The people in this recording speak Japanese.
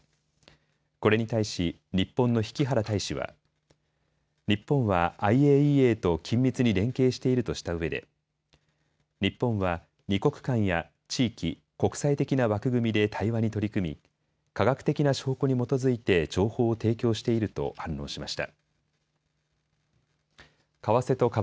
これに対し、日本の引原大使は日本はＩＡＥＡと緊密に連携しているとしたうえで日本は二国間や地域、国際的な枠組みで対話に取り組み、科学的な証拠に基づいて情報を提供していると反論しました。